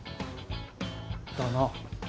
だな。